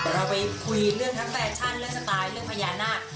เราไปคุยเรื่องทั้งแฟชั่นเรื่องสไตล์เรื่องพญานาค